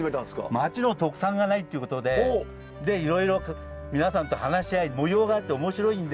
町の特産がないっていうことででいろいろ皆さんと話し合い模様があって面白いんで。